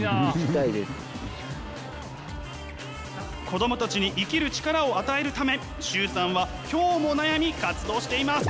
子供たちに生きる力を与えるため崇さんは今日も悩み活動しています！